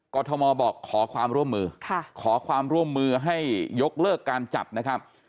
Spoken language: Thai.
ทมบอกขอความร่วมมือขอความร่วมมือให้ยกเลิกการจัดนะครับ